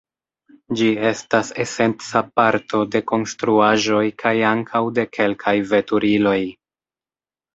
Ĝi estas esenca parto de konstruaĵoj kaj ankaŭ de kelkaj veturiloj.